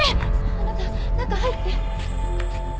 あなた中入って。